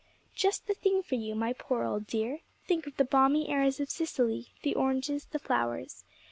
'Just the thing for you, my poor old dear. Think of the balmy airs of Sicily, the oranges, the flowers.